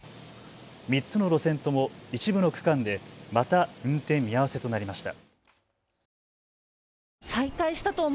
３つの路線とも一部の区間でまた運転見合わせとなりました。